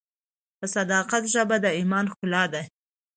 د صداقت ژبه د ایمان ښکلا ده.